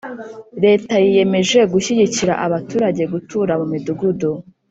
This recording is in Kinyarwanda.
leta yiyemeje gushyigikira abaturage gutura mu midugudu.